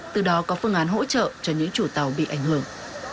từ đó có phương án hỗ trợ cho những chủ tàu bị ảnh hưởng